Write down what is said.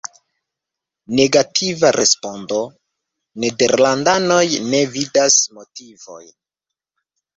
Negativa respondo- nederlandanoj ne vidas motivojn.